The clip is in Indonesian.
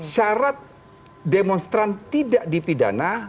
syarat demonstran tidak dipidana